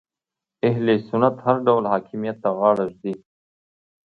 اهل سنت هر ډول حاکمیت ته غاړه ږدي